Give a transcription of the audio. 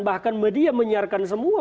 bahkan media menyiarkan semua